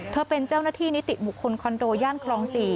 เป็นเจ้าหน้าที่นิติบุคคลคอนโดย่านคลอง๔